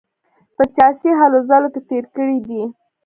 په سیاسي هلو ځلو کې تېر کړی دی.